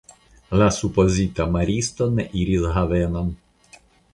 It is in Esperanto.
La supozita maristo ne iris havenon.